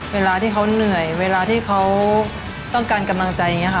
เวลาที่เขาเหนื่อยเวลาที่เขาต้องการกำลังใจอย่างนี้ค่ะ